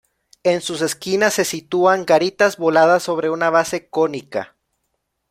En sus esquinas se sitúan garitas voladas sobre una base cónica.